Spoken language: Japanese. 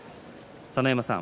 佐ノ山さん